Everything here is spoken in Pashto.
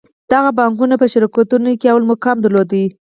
دغو بانکونو په شرکتونو کې لوړ مقام درلود